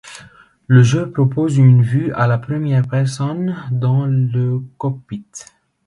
Le jeu propose une vue à la première personne dans le cockpit.